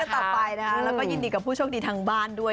รุ้นก็ตอบไปนะก็ยินดีกับผู้โชคดีทางบ้านด้วย